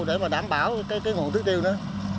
để mà đảm bảo cái nguồn thứ tiêu nữa